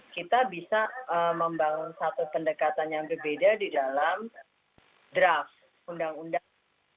kita bisa membangun satu pendekatan yang berbeda di dalam draft undang undang